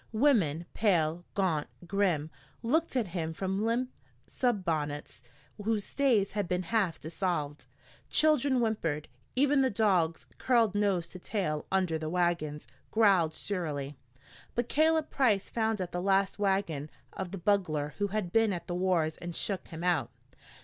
Women, pale, gaunt, grim, looked at him from limp sunbonnets whose stays had been half dissolved. Children whimpered. Even the dogs, curled nose to tail under the wagons, growled surlily. But Caleb Price found at last the wagon of the bugler who had been at the wars and shook him out.